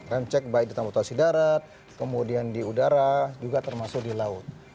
rem cek baik di transportasi darat kemudian di udara juga termasuk di laut